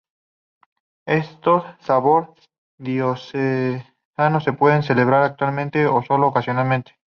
Estos "sobor" diocesanos se pueden celebrar anualmente o sólo ocasionalmente.